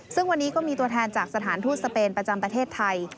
ซึ่งวันนี้ก็มีตัวแทนจากสถานทูตสเปนประจำประเทศไทย